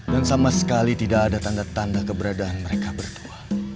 dan sama sekali tidak ada tanda tanda keberadaan mereka berdua